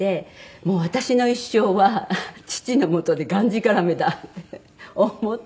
もう私の一生は父のもとでがんじがらめだって思ってたんですよね。